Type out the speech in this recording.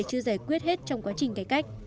chưa giải quyết hết trong quá trình cải cách